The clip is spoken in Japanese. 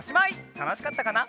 たのしかったかな？